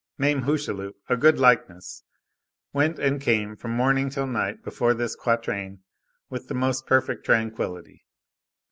Mame Hucheloup, a good likeness, went and came from morning till night before this quatrain with the most perfect tranquillity.